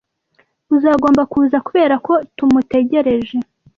uzagomba kuza kubera ko tumutegereje